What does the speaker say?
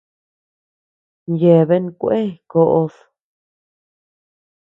Yeaben kué koʼod.